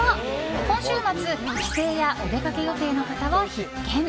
今週末、帰省やお出かけ予定の方は必見！